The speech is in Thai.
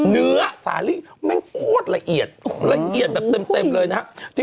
เนื้อสาลีแม่งโคตรละเอียดละเอียดแบบเต็มเลยนะครับ